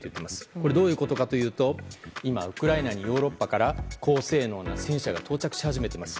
これはどういうことかというと今、ウクライナにヨーロッパから高性能な戦車が到着し始めています。